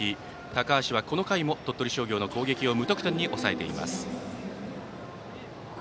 高橋はこの回も鳥取商業の攻撃を無得点に抑えています。